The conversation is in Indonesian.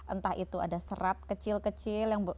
entah itu ada serat kecil kecil